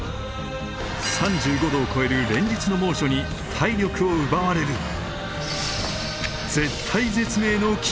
３５度を超える連日の猛暑に体力を奪われる。